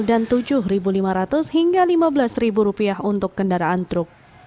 dan rp tujuh lima ratus hingga rp lima belas untuk kendaraan truk